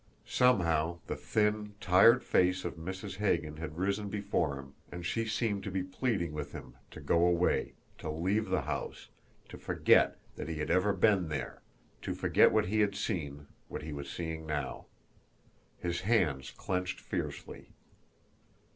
Somehow, the thin, tired face of Mrs. Hagan had risen before him, and she seemed to be pleading with him to go away, to leave the house, to forget that he had ever been there, to forget what he had seen, what he was seeing now. His hands clenched fiercely.